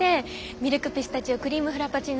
ミルクピスタチオクリームフラパチーノ。